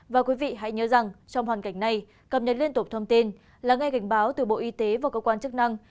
và quý vị hãy nhớ rằng trong hoàn cảnh này cập nhật liên tục thông tin là ngay cảnh báo từ bộ y tế và cơ quan chức năng